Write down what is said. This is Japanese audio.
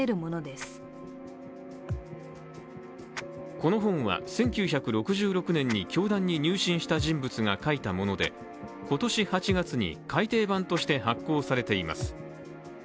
この本は１９６６年に教団に入信した人物が書いたもので今年８月に改訂版として発行されています。